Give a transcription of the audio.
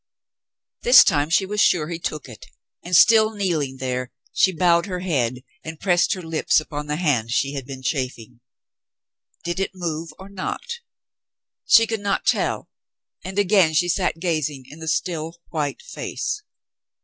This time she was sure he took it, and, still kneeling there, she bowed her head and pressed her lips upon the hand she had been chafing. Did it move or not ? She could not tell, and again she sat gazing in the still, white face.